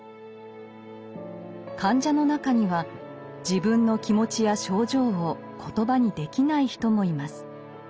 患者の中には自分の気持ちや症状を言葉にできない人もいます。